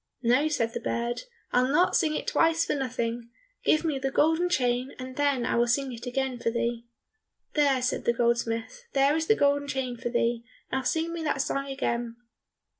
"No," said the bird, "I'll not sing it twice for nothing! Give me the golden chain, and then I will sing it again for thee." "There," said the goldsmith, "there is the golden chain for thee, now sing me that song again."